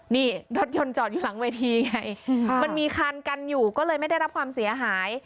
นี่รถยนต์จอดอยู่หลังเวทีไงมันมีคันกันอยู่ก็เลยไม่ได้รับความเสียหาย